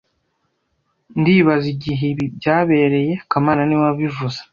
Ndibaza igihe ibi byabereye kamana niwe wabivuze